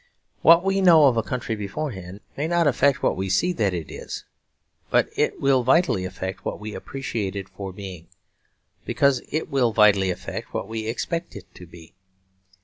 What we know of a country beforehand may not affect what we see that it is; but it will vitally affect what we appreciate it for being, because it will vitally affect what we expect it to be.